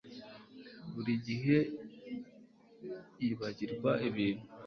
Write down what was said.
Buri gihe yibagirwa ibintu